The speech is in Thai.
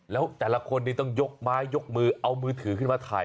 แล้วแต่ละคนนี้ต้องยกไม้ยกมือเอามือถือขึ้นมาถ่าย